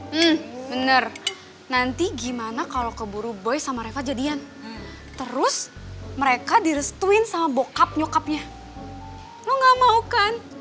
hmm bener nanti gimana kalau keburu boy sama reva jadian terus mereka direstuin sama bokap nyokapnya lo gak mau kan